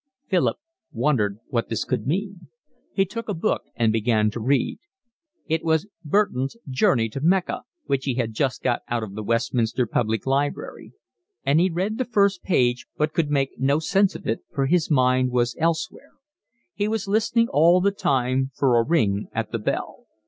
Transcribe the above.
Philip wondered what this could mean. He took a book and began to read. It was Burton's Journey to Meccah, which he had just got out of the Westminster Public Library; and he read the first page, but could make no sense of it, for his mind was elsewhere; he was listening all the time for a ring at the bell.